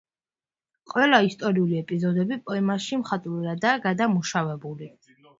ყველა ისტორიული ეპიზოდები პოემაში მხატვრულადაა გადამუშავებული.